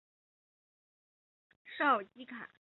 绍尔基卡波尔瑙。